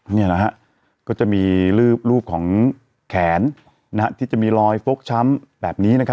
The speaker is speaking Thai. นี่นะฮะก็จะมีรูปของแขนที่จะมีรอยฟกช้ำแบบนี้นะครับ